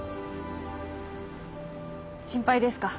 心配ですか？